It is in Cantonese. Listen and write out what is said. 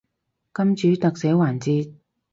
金主特寫環節